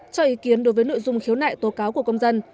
cho ý kiến đối với nội dung khiếu nại tố cáo của công dân